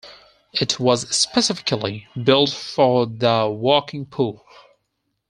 It was specifically built for the working poor.